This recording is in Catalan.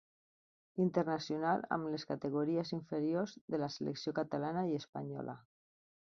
Internacional amb les categories inferiors de la selecció catalana i espanyola.